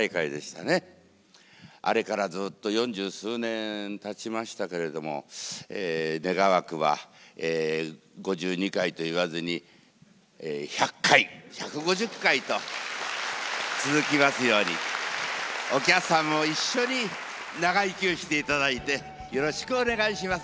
あらからずっと四十数年たちましたけれども願わくは５２回と言わずに１００回１５０回と続きますようにお客さんも一緒に長生きをしていただいてよろしくお願いします。